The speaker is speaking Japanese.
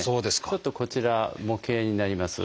ちょっとこちら模型になります。